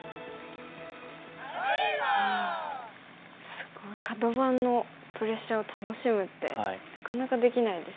すごいカド番のプレッシャーを楽しむってなかなかできないですよね。